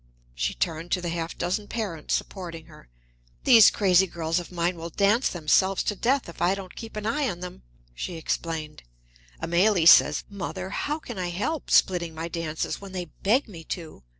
She turned to the half dozen parents supporting her. "These crazy girls of mine will dance themselves to death if I don't keep an eye on them," she explained. "Amélie says, 'Mother, how can I help splitting my dances, when they beg me to?'